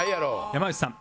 山内さん